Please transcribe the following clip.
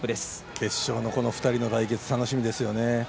決勝のこの２人の対決楽しみですね。